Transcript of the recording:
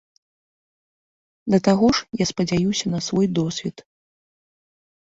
Да таго ж я спадзяюся на свой досвед.